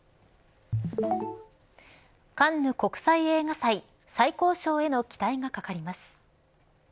カンヌ国際映画祭最高賞への期待が懸かります。